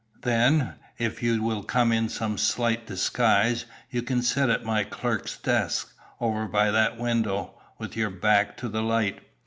"Then, if you will come in some slight disguise, you can sit at my clerk's desk, over by that window, with your back to the light.